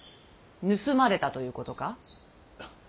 盗まれたということか？